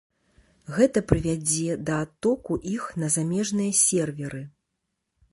Гэта прывядзе да адтоку іх на замежныя серверы.